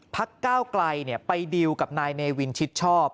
ก้าวไกลไปดีลกับนายเนวินชิดชอบ